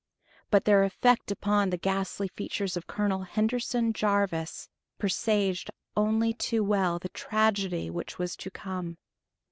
But their effect upon the ghastly features of Colonel Henderson Jarvis presaged only too well the tragedy which was to come.